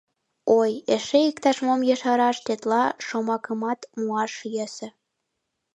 Ой, эше иктаж-мом ешараш тетла шомакымат муаш йӧсӧ...